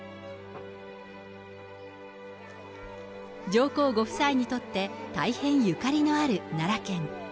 上皇ご夫妻にとって大変ゆかりのある奈良県。